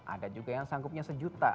ada juga yang sanggupnya sejuta